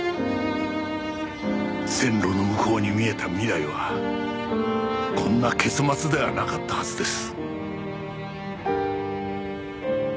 線路の向こうに見えた未来はこんな結末ではなかったはずです。